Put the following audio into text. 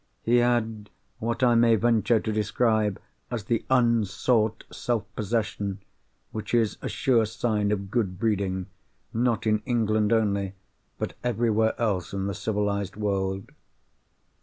He had what I may venture to describe as the unsought self possession, which is a sure sign of good breeding, not in England only, but everywhere else in the civilised world.